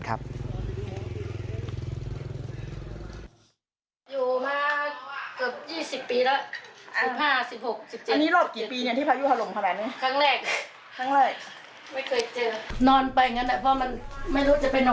อยู่มาเกือบ๒๐ปีแล้ว